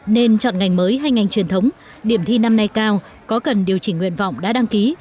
nên chọn ngành mới hay ngành truyền thống điểm thi năm nay cao có cần điều chỉnh nguyện vọng đã đăng ký